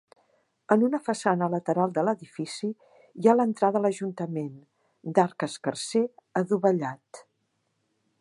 En una façana lateral de l'edifici hi ha l'entrada a l'ajuntament, d'arc escarser adovellat.